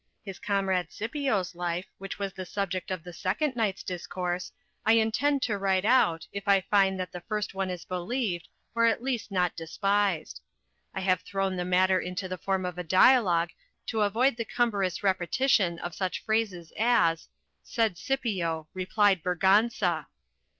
His comrade Scipio's life, which was the subject of the second night's discourse, I intend to write out, if I find that the first one is believed, or at least not despised. I have thrown the matter into the form of a dialogue to avoid the cumbrous repetition of such phrases as, said Scipio, replied Berganza.